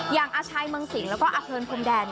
อย่างอาชายเมืองสิงค์แล้วก็อาเพิร์นพรมแดน